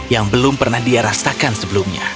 yang belum pernah dia rasakan sebelumnya